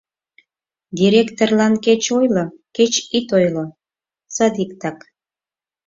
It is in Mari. Директорлан кеч ойло, кеч ит ойло, садиктак.